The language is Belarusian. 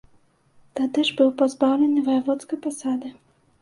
Тады ж быў пазбаўлены ваяводскай пасады.